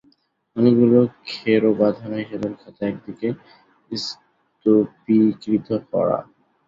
অনেকগুলি খেরো বাঁধানো হিসাবের খাতা একদিকে স্তুপীকৃত করা।